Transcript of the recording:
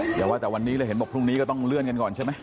อย่าว่าแต่วันนี้เลยเห็นบอกพรุ่งนี้ก็ต้องเลื่อนกันก่อนใช่ไหม